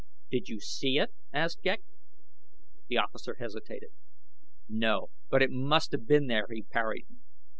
"Did you see it?" asked Ghek. The officer hesitated. "No but it must have been there," he parried.